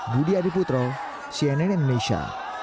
budi adiputro cnn indonesia